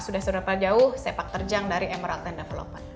sudah seberapa jauh sepak terjang dari emerald time development